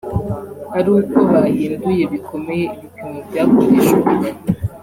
ari uko bahinduye bikomeye ibipimo byakoreshwaga